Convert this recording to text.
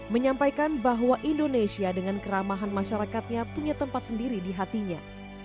menyampaikan bahwa indonesia dengan keramahan masyarakatnya punya tempat sendiri di hatinya